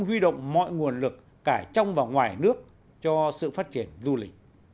huy động mọi người